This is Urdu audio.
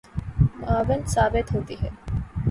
معاون ثابت ہوتی ہیں